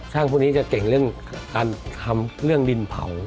พวกนี้จะเก่งเรื่องการทำเรื่องดินเผา